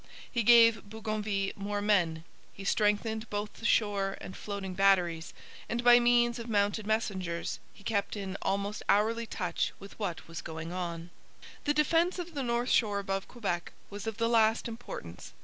He gave Bougainville more men. He strengthened both the shore and floating batteries, and by means of mounted messengers he kept in almost hourly touch with what was going on. The defence of the north shore above Quebec was of the last importance.